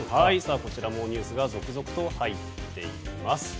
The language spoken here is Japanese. こちらもニュースが続々と入っています。